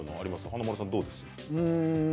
華丸さんどうですか？